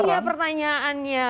nah itu nih ya pertanyaannya